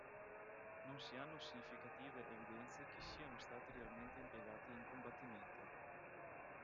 Non si hanno significative evidenze che siano stati realmente impiegati in combattimento.